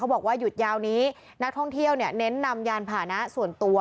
บอกว่าหยุดยาวนี้นักท่องเที่ยวเน้นนำยานผ่านะส่วนตัว